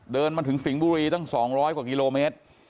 เดินมาถึงสิงห์บุรีตั้ง๒๐๐กว่ากิโลเมตร